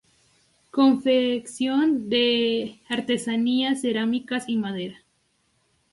Confección de artesanías, cerámica y madera.